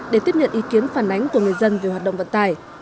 để tiếp nhận ý kiến phản ánh của người dân về hoạt động vận tải